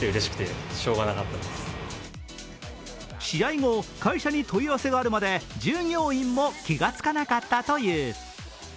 試合後、会社に問い合わせがあるまで従業員も気がつかなかったという。